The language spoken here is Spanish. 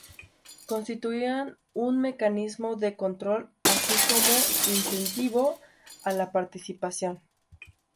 Constituían un mecanismo de control, así como incentivo a la participación.